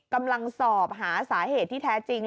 กำลังสอบหาสาเหตุที่แท้จริง